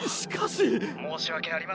申し訳ありません。